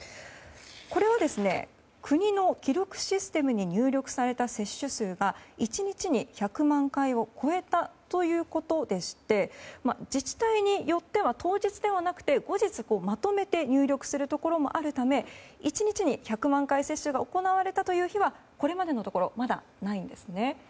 これは国の記録システムに入力された接種数が１日に１００万回を超えたということでして自治体によっては当日ではなくて後日まとめて入力するところもあるため１日に１００万回接種が行われたという日はこれまでのところまだないんですね。